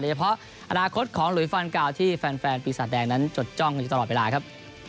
เฉพาะอนาคตของหลุยฟันกาวที่แฟนปีศาจแดงนั้นจดจ้องกันอยู่ตลอดเวลาครับ